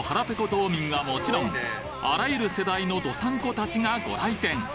道民はもちろんあらゆる世代の道産子たちがご来店